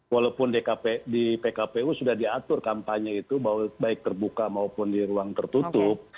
walaupun di pkpu sudah diatur kampanye itu baik terbuka maupun di ruang tertutup